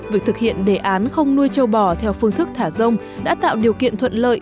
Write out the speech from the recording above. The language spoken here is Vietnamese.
việc thực hiện đề án không nuôi trâu bò theo phương thức thả rông đã tạo điều kiện thuận lợi